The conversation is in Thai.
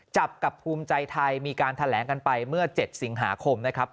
จับกับภูมิใจไทยมีการแถลงกันไปเมื่อ๗สิงหาคมนะครับ